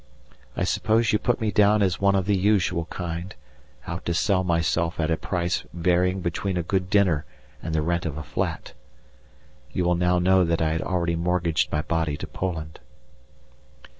I suppose you put me down as one of the usual kind, out to sell myself at a price varying between a good dinner and the rent of a flat! You will now know that I had already mortgaged my body to Poland.